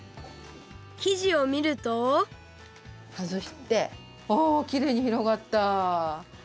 生地をみるとはずしておきれいにひろがった！